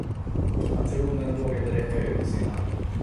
Patronen vågade räcka ut sin hand.